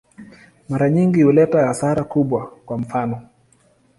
Mara nyingi huleta hasara kubwa, kwa mfano.